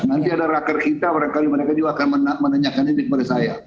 nanti ada raker kita barangkali mereka juga akan menanyakan ini kepada saya